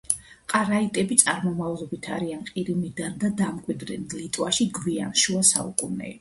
ყარაიტები წარმომავლობით არიან ყირიმიდან და დამკვიდრდნენ ლიტვაში გვიან შუა საუკუნეებში.